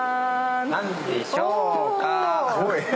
何でしょうか？